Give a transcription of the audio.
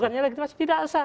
bukannya legitimasi tidak sah